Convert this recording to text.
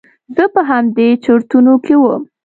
زه په همدې چرتونو کې وم.